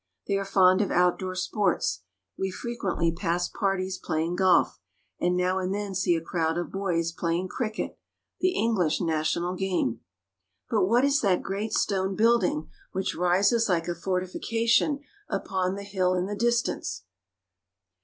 They are fond of outdoor sports. We frequently pass parties playing golf, and now and then see a crowd of boys playing cricket, the English national game. But what is that great stone building which rises like a fortification upon the hill in the distance